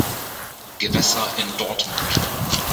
Gewässer in Dortmund